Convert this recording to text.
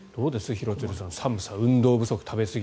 廣津留さん寒さ、運動不足、食べすぎ。